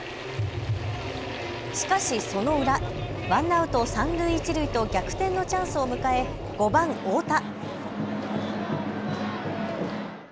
しかしその裏、ワンアウト三塁一塁と逆転のチャンスを迎え５番・太田。